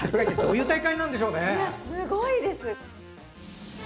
いやすごいです。